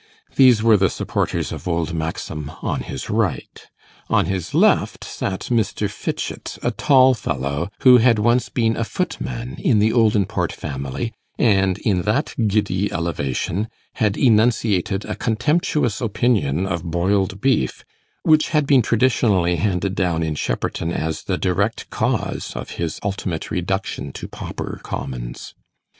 These were the supporters of Old Maxum on his right. On his left sat Mr. Fitchett, a tall fellow, who had once been a footman in the Oldinport family, and in that giddy elevation had enunciated a contemptuous opinion of boiled beef, which had been traditionally handed down in Shepperton as the direct cause of his ultimate reduction to pauper commons.